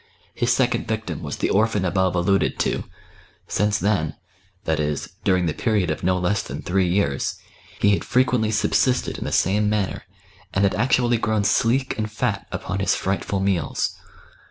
His second victim was the orphan above alluded to ; since then — that is, during the period of no less than three years — he had frequently subsisted in the same manner, and had actually grown sleek and fat upon his frightful meals.